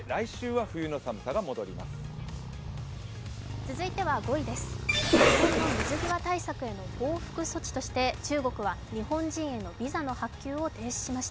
続いては５位です、日本の水際対策への報復措置として中国は日本人へのビザの発給を停止しました。